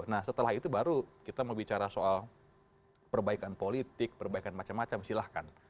nah setelah itu baru kita mau bicara soal perbaikan politik perbaikan macam macam silahkan